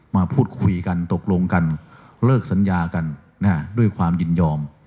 มาพูดคุยกันตกลงกันเลิกสัญญากันด้วยความยินยอม